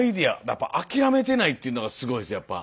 やっぱ諦めてないっていうのがすごいですやっぱ。